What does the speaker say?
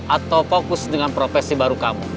atau fokus dengan profesi baru kamu